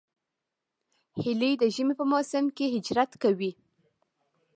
هیلۍ د ژمي په موسم کې هجرت کوي